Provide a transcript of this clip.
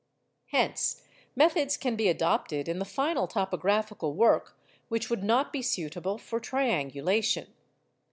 Hence, methods can be adopted in the final topographical work which would not be suitable for triangulation.